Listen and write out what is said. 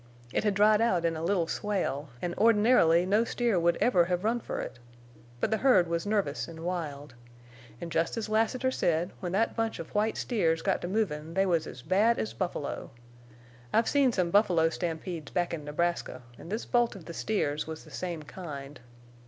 It had dried out in a little swale, an' ordinarily no steer would ever hev run fer it. But the herd was nervous en' wild. An' jest as Lassiter said, when that bunch of white steers got to movin' they was as bad as buffalo. I've seen some buffalo stampedes back in Nebraska, an' this bolt of the steers was the same kind.